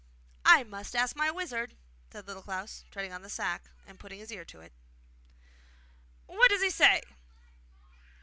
'I must ask my wizard,' said Little Klaus, treading on the sack and putting his ear to it. 'What does he say?